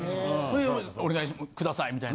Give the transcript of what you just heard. お願いくださいみたいな。